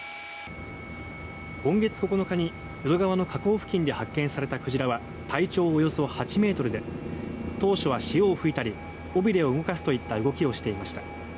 今月９日に淀川の河口付近で発見された鯨は体長およそ８ｍで当初は潮を噴いたり尾びれを動かすといった動きをしていました。